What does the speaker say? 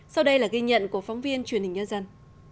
sau đây là ghi nhận của phóng viên truyền hình nhân dân